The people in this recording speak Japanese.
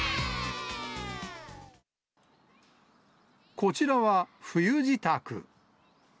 こちらは冬支度。